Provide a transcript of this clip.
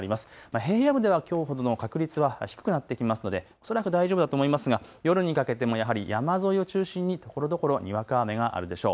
平野部では確率は低くなってきますのでおそらく大丈夫だと思いますが夜にかけてもやはり山沿いを中心にところどころにわか雨があるでしょう。